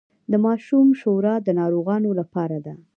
د ماشو شوروا د ناروغانو لپاره ده.